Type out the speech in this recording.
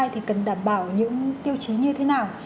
thì cần đảm bảo những tiêu chí như thế nào